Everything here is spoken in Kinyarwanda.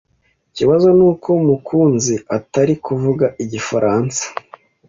Ikibazo nuko Mukunzi atazi kuvuga igifaransa.